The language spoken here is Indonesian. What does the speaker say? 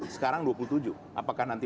sekarang dua puluh tujuh apakah nanti